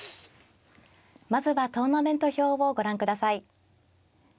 まずはトーナメント表をご覧ください。